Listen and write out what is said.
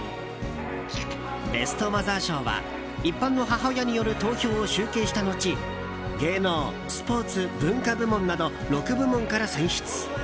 ベストマザー賞は一般の母親による投票を集計した後芸能、スポーツ、文化部門など６部門から選出。